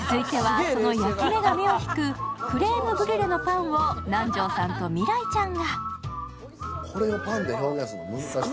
続いてはその焼き目が目を引くクレームブリュレのパンを南條さんと未来ちゃんが。